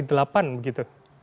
menurut saya sangat mungkin